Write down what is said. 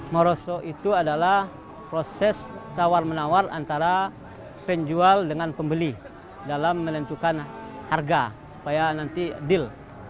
meroso itu adalah proses tawar menawar antara penjual dengan pembeli dalam menentukan harga supaya nanti deal